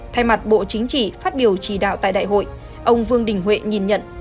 thay mặt bộ chính trị phát biểu chỉ đạo tại đại hội ông vương đình huệ nhìn nhận